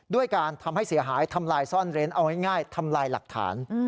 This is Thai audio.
ด้วยการทำให้เสียหายทำลายซ่อนเร้นเอาง่ายทำลายหลักฐาน